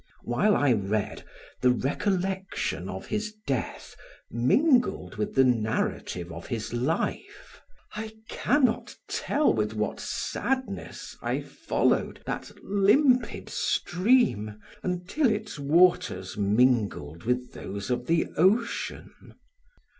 While I read, the recollection of his death mingled with the narrative of his life, I can not tell with what sadness I followed that limpid stream until its waters mingled with those of the ocean.